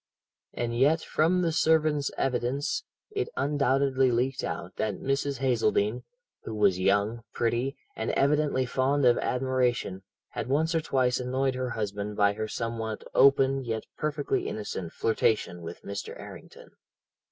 "And yet, from the servant's evidence, it undoubtedly leaked out that Mrs. Hazeldene, who was young, pretty, and evidently fond of admiration, had once or twice annoyed her husband by her somewhat open, yet perfectly innocent, flirtation with Mr. Errington.